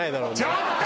ちょっと！